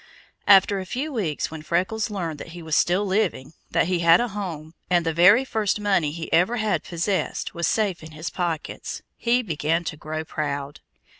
After a few weeks, when Freckles learned that he was still living, that he had a home, and the very first money he ever had possessed was safe in his pockets, he began to grow proud.